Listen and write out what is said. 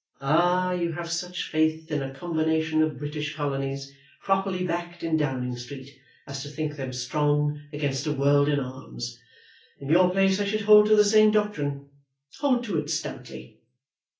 "Ah, you have such faith in a combination of British colonies, properly backed in Downing Street, as to think them strong against a world in arms. In your place I should hold to the same doctrine, hold to it stoutly."